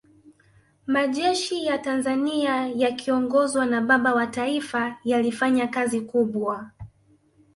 majeshi ya tanzania yakiongozwa na baba wa taifa yalifanya kazi kubwa